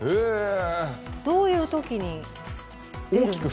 どういうときに出るんですか。